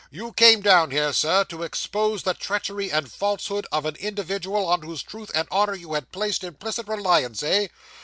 You came down here, sir, to expose the treachery and falsehood of an individual on whose truth and honour you had placed implicit reliance eh?